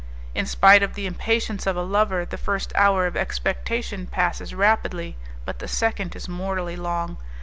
In spite of the impatience of a lover, the first hour of expectation passes rapidly, but the second is mortally long.